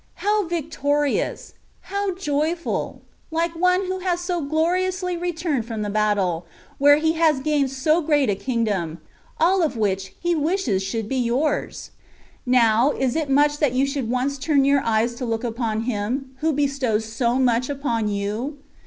How victorious, how joyftd, like one who has so gloriously returned from the battle, where he has gained so great a kingdom, all of which He wishes should be yours ! Now, is it much that you should once turn your eyes to look upon Him, who bestows so much upon you?